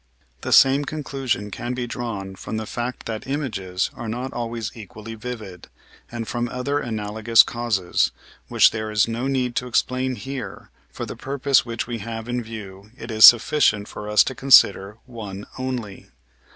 The same conclusion can be drawn from the fact that images are not always equally vivid, and from other analogous causes, which there is no need to explain here; for the purpose which we have in view it is sufficient for us to consider one only.